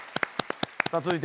さあ続いて。